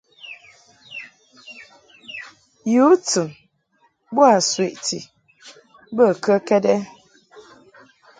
Yu tɨn boa sweʼti bə kəkɛd ?